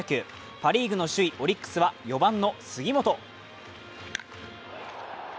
パ・リーグの首位・オリックスは４番の杉本。